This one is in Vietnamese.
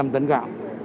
ba trăm linh tấn gạo